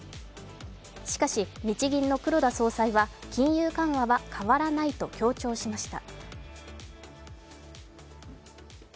しかし日銀の黒田総裁は金融緩和は変わらないと強調しました。